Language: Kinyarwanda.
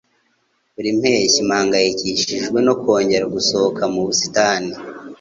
Buri mpeshyi mpangayikishijwe no kongera gusohoka mu busitani.